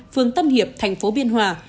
phường tân hiệp thành phố biên hòa